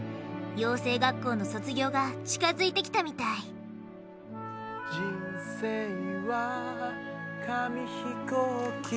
養成学校の卒業が近づいてきたみたい「人生は紙飛行機」